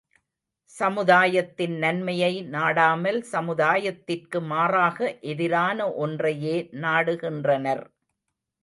சமுதாயத்தின் நன்மையை நாடாமல் சமுதாயத்திற்கு மாறாக எதிரான ஒன்றையே நாடுகின்றனர்.